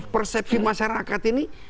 persepsi masyarakat ini